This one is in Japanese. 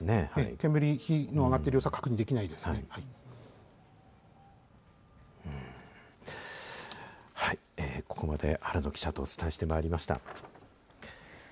煙、火の上がってる様子は確認でここまで、原野記者とお伝えしてまいりました。